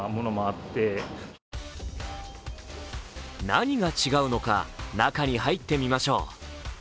何が違うのか中に入ってみましょう。